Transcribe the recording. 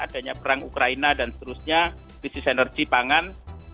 adanya perang ukraina dan seterusnya krisis energi pangan